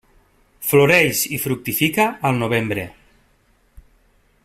Floreix i fructifica al novembre.